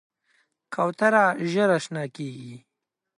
کوتره ژر اشنا کېږي.